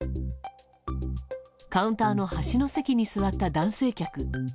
カウンターの端の席に座った男性客。